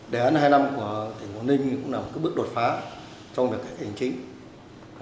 đề án hai năm của tỉnh quảng ninh cũng là một bước đột phá trong việc hành chính